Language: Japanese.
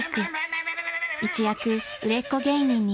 ［一躍売れっ子芸人に］